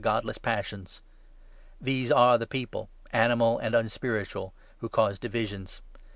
godless passions.' These are the people — 19 animal and unspiritual — who cause divisions.